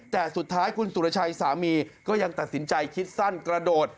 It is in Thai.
แต่สุดท้ายคุณสุรชัยสามีก็ยังตัดสินใจคิดสั้นกระโดด